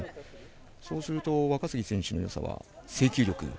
そうすると若杉選手のよさは制球力？